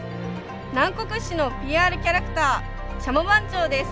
南国市のＰＲキャラクターシャモ番長です。